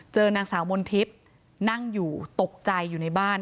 นางสาวมนทิพย์นั่งอยู่ตกใจอยู่ในบ้าน